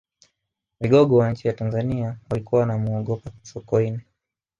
vigogo wa nchi ya tanzania walikuwa wanamuogopa sokoine